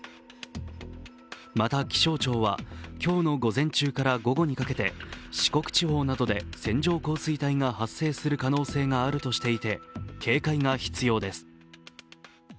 また気象庁は今日の午前中から午後にかけて四国地方などで線状降水帯が発生する可能性があるとしていて警戒が必要です。